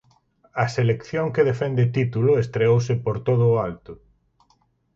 A selección que defende título estreouse por todo o alto.